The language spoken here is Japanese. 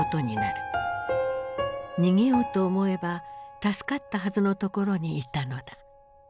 逃げようと思えば助かったはずのところにいたのだ。